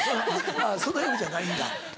そのＦじゃないんだ。